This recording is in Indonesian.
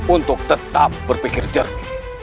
untuk tetap berpikir jernih